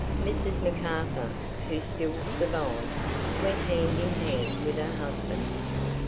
Mrs. McArthur, who still survives, went hand in hand with her husband.